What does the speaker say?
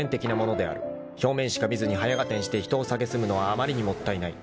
［表面しか見ずに早合点して人をさげすむのはあまりにもったいない］